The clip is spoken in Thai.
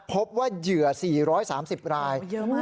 พบว่าเหยื่อ๔๓๐รายเยอะมาก